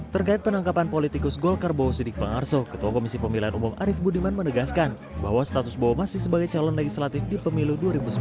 terkait penangkapan politikus golkar bosidik pangarso ketua komisi pemilihan umum arief budiman menegaskan bahwa status bowo masih sebagai calon legislatif di pemilu dua ribu sembilan belas